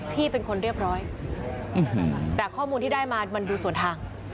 พี่เป็นคนเรียบร้อยแต่ข้อมูลที่ได้มามันดูส่วนทาง